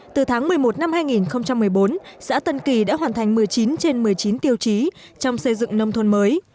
từ tháng một mươi một năm hai nghìn một mươi bốn xã tân kỳ đã hoàn thành một mươi chín trên một mươi chín tiêu chí trong xây dựng nông thôn mới